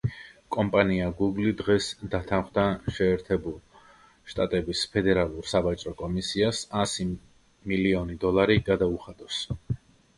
კომპანია „გუგლი“ დღეს დათანხმდა, შეერთებული შტატების ფედერალურ სავაჭრო კომისიას ასი მილიონი დოლარი გადაუხადოს.